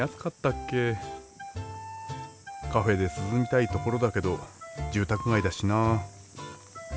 カフェで涼みたいところだけど住宅街だしな。